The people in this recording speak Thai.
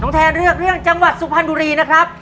แทนเลือกเรื่องจังหวัดสุพรรณบุรีนะครับ